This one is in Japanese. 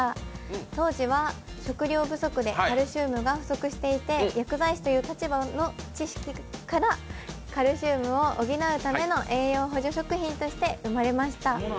当時は食料不足でカルシウムが不足していて、薬剤師という立場の知識からカルシウムを補うための栄養補助食品として生まれました。